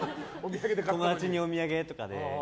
友達にお土産とかで。